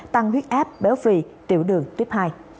tăng huyết áp béo phì tiểu đường tiếp hai